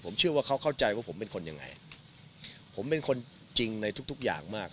ผมเชื่อว่าเขาเข้าใจว่าผมเป็นคนยังไงผมเป็นคนจริงในทุกทุกอย่างมาก